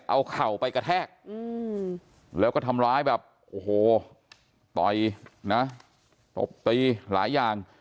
เอาเข่าไปกระแทกแล้วก็ทำร้ายแบบโอ้โหต่อยนะตบตีหลายอย่าง